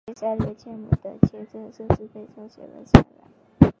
有些杉原千亩的签证甚至被抄写了下来。